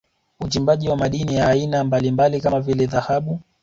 Uchimbaji wa madini ya aina mbalimbali kama vile Dhahabu